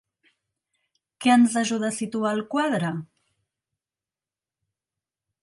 Què ens ajuda a situar el quadre?